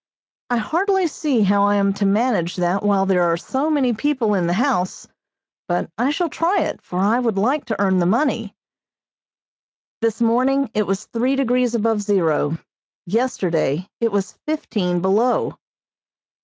I hardly see how I am to manage that while there are so many people in the house, but I shall try it, for I would like to earn the money. This morning it was three degrees above zero; yesterday it was fifteen below.